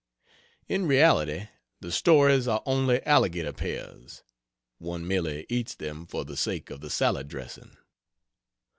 In reality the stories are only alligator pears one merely eats them for the sake of the salad dressing.